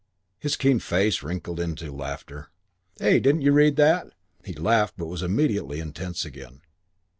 His keen face wrinkled up into laughter. "Eh, didn't you read that?" He laughed but was immediately intense again.